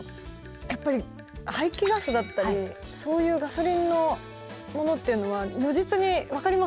やっぱり排気ガスだったりそういうガソリンのものっていうのは如実に分かりますもんね